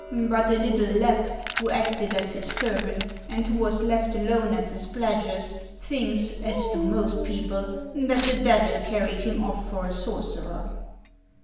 But a little Lapp, who acted as his servant, and who was left alone at the Spladgest, thinks, as do most people, that the Devil car ried him off for a sorcerer."